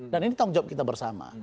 dan ini tanggung jawab kita bersama